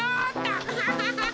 アハハハハ！